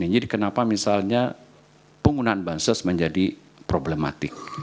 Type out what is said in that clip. jadi kenapa misalnya penggunaan bastos menjadi problematik